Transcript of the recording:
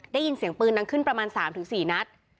ได้ยินเสียงปืนดังขึ้นประมาณ๓๔นัด